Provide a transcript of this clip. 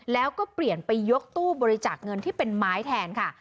แล้วก็เปลี่ยนไปยกตู้บริจาคเงินที่เป็นไม้แทนค่ะ